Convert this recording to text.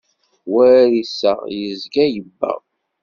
War iseɣ, yezga yebbeɣ.